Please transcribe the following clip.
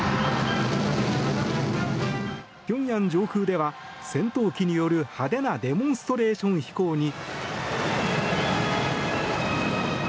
平壌上空では戦闘機による派手なデモンストレーション飛行に。